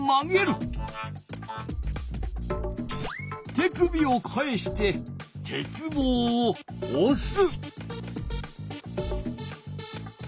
手首を返して鉄棒をおす。